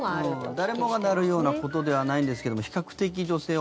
誰もがなるようなことではないんですけども比較的、女性は多い。